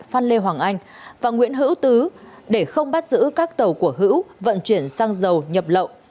phan lê hoàng anh và nguyễn hữu tứ để không bắt giữ các tàu của hữu vận chuyển sang dầu nhập lậu